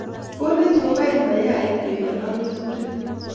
Konech ngokaik mayai, bendo ak keturek